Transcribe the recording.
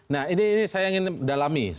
nah ini saya ingin dalami